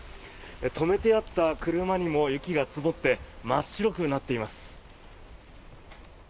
止めてあった車にも雪が積もって真っ白くなっています。